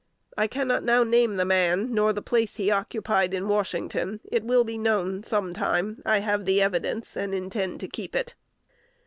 I cannot now name the man, nor the place he occupied in Washington: it will be known sometime. I have the evidence, and intend to keep it.